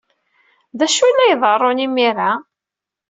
D acu ay la iḍerrun imir-a?